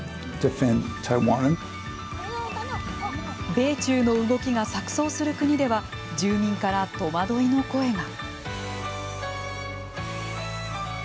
米中の動きが錯そうする国では住民から戸惑いの声が。